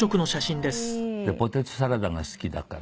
ポテトサラダが好きだから。